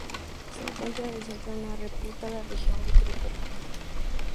Se encuentra en el centro de una reputada región vitícola.